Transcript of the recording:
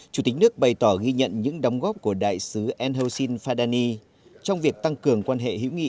chủ tịch nước bày tỏ ghi nhận những đóng góp của đại sứ enersen fadani trong việc tăng cường quan hệ hữu nghị